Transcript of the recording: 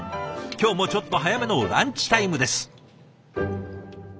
今日もちょっと早めのランチタイムです。